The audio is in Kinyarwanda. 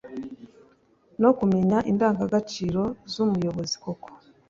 no kumenya indangagaciro z’umuyobozi koko